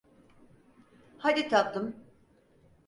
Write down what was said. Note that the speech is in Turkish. Hadi tatlım.